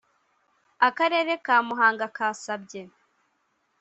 akarere ka muhanga kasabye